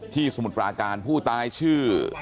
สมุทรปราการผู้ตายชื่อ